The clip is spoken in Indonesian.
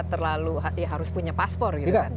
terlalu harus punya paspor tidak